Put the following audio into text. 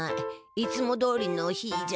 いつもどおりの日じゃ。